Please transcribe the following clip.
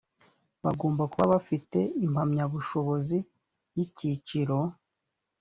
bagomba kuba bafite impamyabushobozi y icyiciro